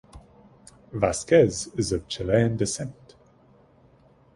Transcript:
Vasquez is of Chilean descent.